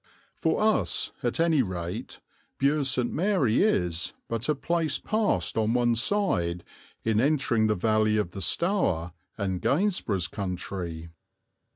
For us, at any rate, Bures St. Mary is but a place passed on one side in entering the valley of the Stour and Gainsborough's country.